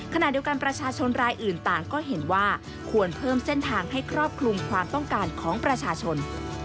ขณะเดียวกันประชาชนรายอื่นต่างก็เห็นว่าควรเพิ่มเส้นทางให้ครอบคลุมความต้องการของประชาชน